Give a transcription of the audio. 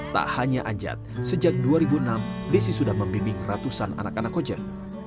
tak hanya anjat sejak dua ribu enam desi sudah membimbing ratusan anak anak kojek